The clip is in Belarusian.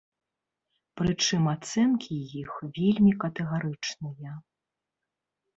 Прычым ацэнкі іх вельмі катэгарычныя.